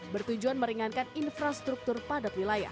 bertujuan meringankan infrastruktur padat wilayah